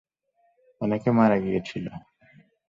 অনেকে মারা গিয়েছিল!